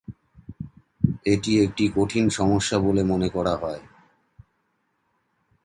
এটি একটি কঠিন সমস্যা বলে মনে করা হয়।